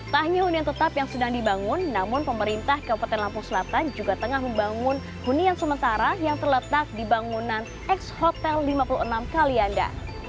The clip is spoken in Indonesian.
tak hanya hunian tetap yang sedang dibangun namun pemerintah kabupaten lampung selatan juga tengah membangun hunian sementara yang terletak di bangunan ex hotel lima puluh enam kalianda